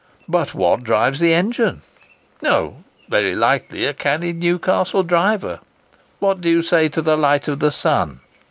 "But what drives the engine?" "Oh, very likely a canny Newcastle driver." "What do you say to the light of the sun?"